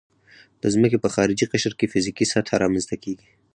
د ځمکې په خارجي قشر کې فزیکي سطحه رامنځته کیږي